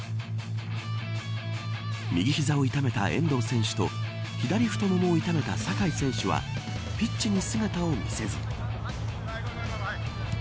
右膝を痛めた遠藤選手と左太ももを痛めた酒井選手はピッチに姿を見せず。